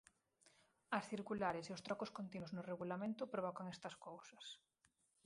As circulares e os trocos continuos no regulamento provocan estas cousas.